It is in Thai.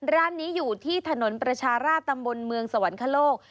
ร้านนี้อยู่ที่ถนนประชาราชตำบลเมืองสวรรคโลก